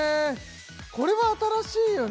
これは新しいよね